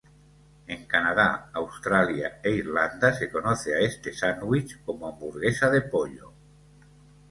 En Canadá, Australia e Irlanda se conoce a este sándwich, como hamburguesa de pollo.